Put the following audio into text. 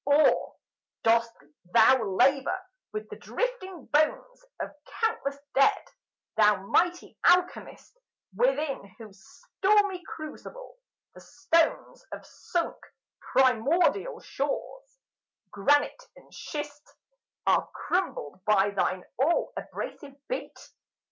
Or, dost thou labour with the drifting bones Of countless dead, thou mighty Alchemist, Within whose stormy crucible the stones Of sunk primordial shores, granite and schist, Are crumbled by thine all abrasive beat?